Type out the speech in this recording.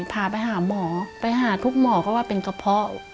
พาไปหาหมอไปหาทุกหมอก็ว่าเป็นกระเพาะ